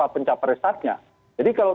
pencapresannya jadi kalau